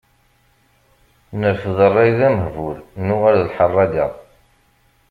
Nerfed rray d amehbul, nuɣal d lḥerraga.